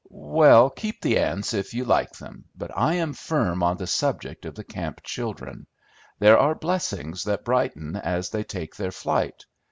"Well, keep the ants if you like them, but I am firm on the subject of the camp children. There are blessings that brighten as they take their flight.